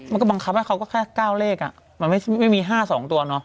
มันก็บังคับให้เขาก็แค่๙เลขมันไม่มี๕๒ตัวเนาะ